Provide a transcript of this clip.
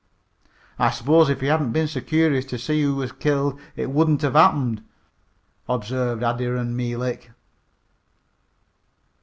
"I s'pose if you hadn't been so curious to see who was killed it wouldn't have happened," observed Adiran Meelik.